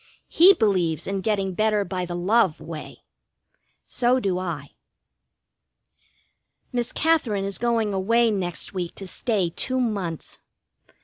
He believes in getting better by the love way. So do I. Miss Katherine is going away next week to stay two months.